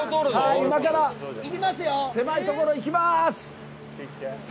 今から狭いところいきます！